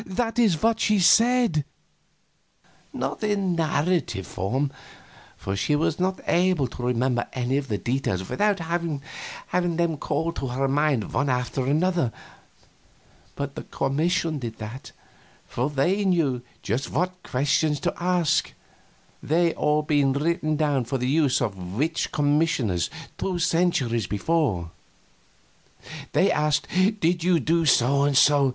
That is what she said not in narrative form, for she was not able to remember any of the details without having them called to her mind one after the other; but the commission did that, for they knew just what questions to ask, they being all written down for the use of witch commissioners two centuries before. They asked, "Did you do so and so?"